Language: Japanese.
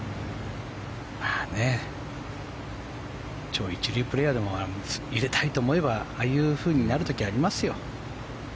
超一流プレーヤーでも入れたいと思えばああいうふうになる時ありますよ。